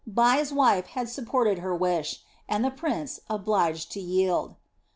Bai's wife had supported her wish, and the prince was obliged to yield.